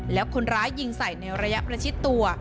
แล้วคนร้ายยิงใส่ในระยะประชิดตัว